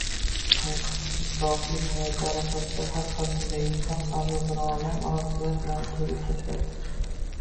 Nikohli hayot arafasida har qanday inson qalbi bir olam orzular bilan to‘lib-toshadi.